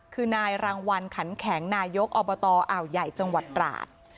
คือนายรางวัลขันแข็งนายกอบตอ่าวใหญ่จังหวัดตราด